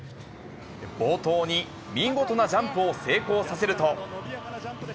冒頭に見事なジャンプを成功させると。